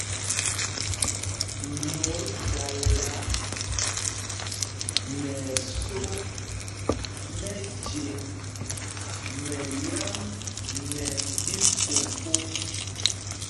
Mot dala nɛ ɛsō mɛje mɛlyam nɛ ɓíkokō.